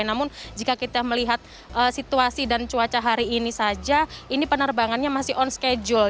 namun jika kita melihat situasi dan cuaca hari ini saja ini penerbangannya masih on schedule